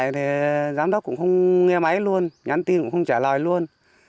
điện thoại thì giám đốc cũng không nghe máy luôn nhắn tin cũng không trả lời luôn